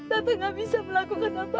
tante gak bisa melakukan apa apa